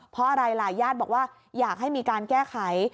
เพราะอะไรหลายญาติบอกว่าอยากให้มีการแก้ไข